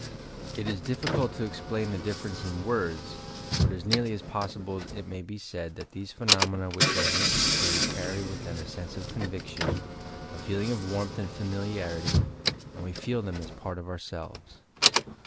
It is difficult to explain the difference in words, but as nearly as poa sible it may be said that those phenomena which are innately true carry with them a sense of conviction, a feeling of warmth and familiarity, and we feel them as part of ourselves.